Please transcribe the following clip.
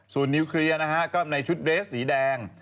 ส่วนนิวเคลียร์นะฮะก็ในชุดเรสสีแดง